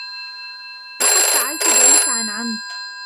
لقد فعلت ذلك عن عمد!